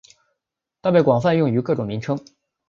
但被广泛用于各种名称。